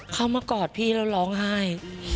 มากอดพี่แล้วร้องไห้